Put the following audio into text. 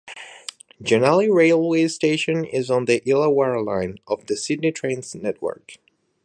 Jannali railway station is on the Illawarra line of the Sydney Trains network.